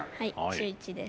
中１です。